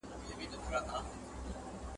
په هفتو کي یې آرام نه وو لیدلی ..